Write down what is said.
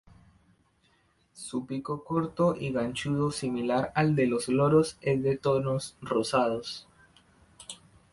Su pico corto y ganchudo, similar al de los loros, es de tonos rosados.